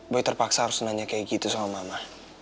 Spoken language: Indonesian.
gue terpaksa harus nanya kayak gitu sama mama